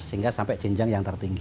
sehingga sampai jenjang yang tertinggi